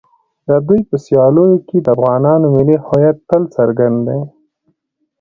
د دوی په سیالیو کې د افغانانو ملي هویت تل څرګند دی.